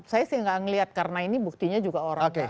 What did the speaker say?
saya sih nggak melihat karena ini buktinya juga orang